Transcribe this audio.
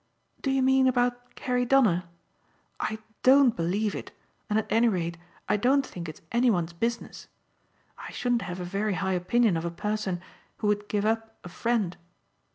"Do you mean about Carrie Donner? I DON'T believe it, and at any rate I don't think it's any one's business. I shouldn't have a very high opinion of a person who would give up a friend."